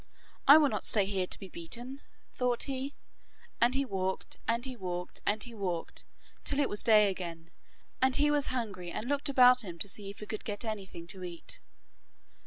'I will not stay here to be beaten,' thought he, and he walked and he walked and he walked, till it was day again, and he was hungry and looked about him to see if he could get anything to eat.